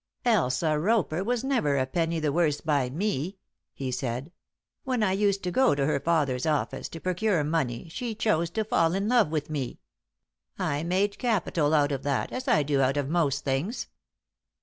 "Elsa Roper was never a penny the worse by me," he said. "When I used to go to her father's office to procure money she chose to fall in love with me. I made capital out of that, as I do out of most things."